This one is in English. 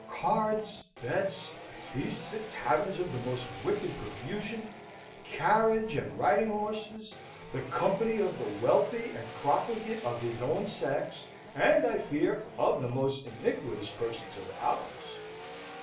"Cards, bets, feasts at taverns of the most wicked profusion, carriage and riding horses, the company of the wealthy and profligate of his own sex, and, I fear, of the most iniquitous persons of ours."